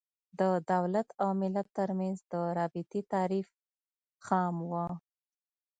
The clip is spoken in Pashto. د دولت او ملت تر منځ د رابطې تعریف خام و.